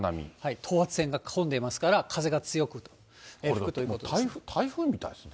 等圧線が混んでいますから、風が強く吹くということですね。